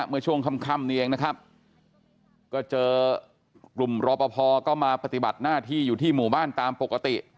เมื่อช่วงค่ำนี้เองนะครับก็เจอกลุ่มรอปภก็มาปฏิบัติหน้าที่อยู่ที่หมู่บ้านตามปกติ